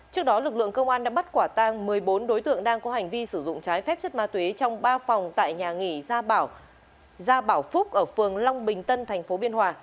trước đó lực lượng công an đã bắt quả tang một mươi bốn đối tượng đang có hành vi sử dụng trái phép chất ma túy trong ba phòng tại nhà nghỉ gia bảo phúc ở phường long bình tân tp biên hòa